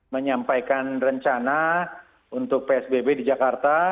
menyampaikan rencana untuk psbb di jakarta